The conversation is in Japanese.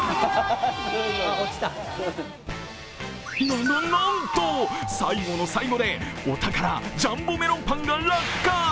な、な、なんと、最後の最後でお宝、ジャンボメロンパンが落下。